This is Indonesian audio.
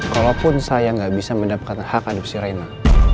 kalaupun saya nggak bisa mendapatkan hak adopsi reina